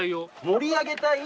盛り上げ隊？